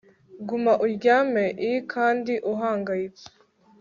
Guma uryame i kandi uhangayitse